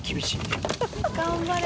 頑張れ。